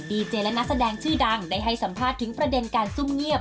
ดีเจและนักแสดงชื่อดังได้ให้สัมภาษณ์ถึงประเด็นการซุ่มเงียบ